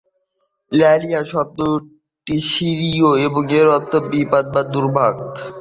"Lahia" শব্দটি সিরীয় এবং এর অর্থ "বিপদ" বা "দুর্ভোগ"।